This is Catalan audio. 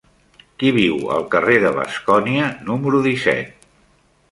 Qui viu al carrer de Bascònia número disset?